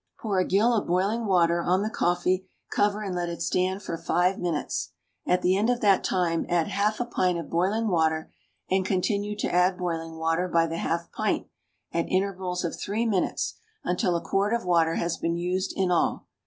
Pour a gill of boiling water on the coffee, cover, and let it stand for five minutes. At the end of that time add half a pint of boiling water, and continue to add boiling water by the half pint, at intervals of three minutes, until a quart of water has been used in all.